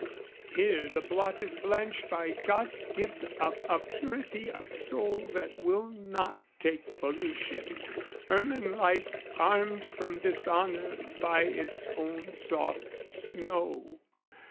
Here the blot is blanched By God's gift of a purity of soul That will not take pollution, ermine like Armed from dishonour by its own soft snow.